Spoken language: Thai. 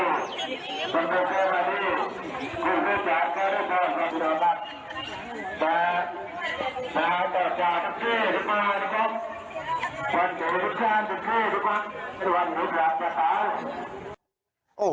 ควรเจอในทุกชาติทั้งที่ทุกควัง